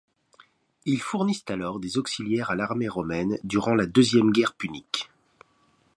Ils fournissent alors des auxiliaires à l'armée romaine durant la Deuxième guerre punique.